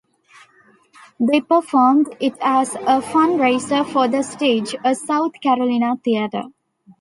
They performed it as a fundraiser for the Stage, a South Carolina theatre.